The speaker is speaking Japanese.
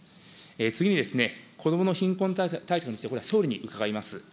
次に子どもの貧困対策について、これは総理に伺います。